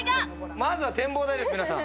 まずは展望台です、皆さん。